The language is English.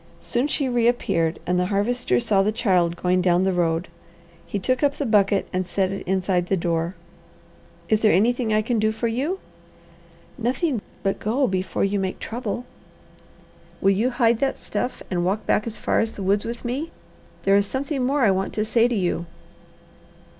Soon she reappeared and the Harvester saw the child going down the road. He took up the bucket and set it inside the door. "Is there anything I can do for you?" "Nothing but go, before you make trouble." "Will you hide that stuff and walk back as far as the woods with me? There is something more I want to say to you."